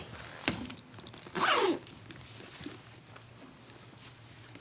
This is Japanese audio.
はい。